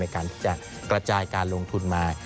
ในการกระจายการลงทุนมา